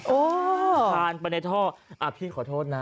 คานเอาไปในท่อพี่ขอโทษนะ